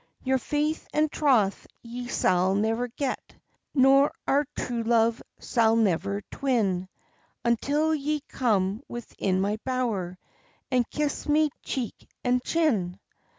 "Your faith and troth ye sall never get, Nor our true love sall never twin, Until ye come within my bower, And kiss me cheik and chin."